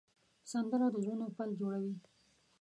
سندره د زړونو پل جوړوي